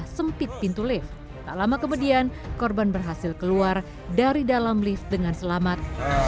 sempit pintu lift tak lama kemudian korban berhasil keluar dari dalam lift dengan selamat